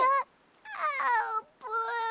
あーぷん。